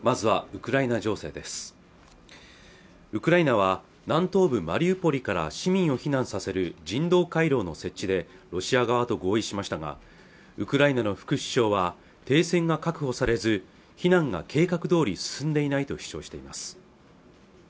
ウクライナは南東部マリウポリから市民を避難させる人道回廊の設置でロシア側と合意しましたがウクライナの副首相は停戦が確保されず避難が計画どおり進んでいないと主張しています